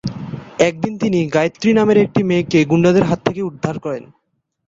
একদিন তিনি গায়ত্রী নামের একটি মেয়েকে গুন্ডাদের হাত থেকে উদ্ধার করেন।